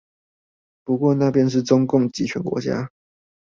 不過那邊是中共極權國家